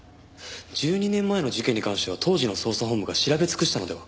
１２年前の事件に関しては当時の捜査本部が調べ尽くしたのでは？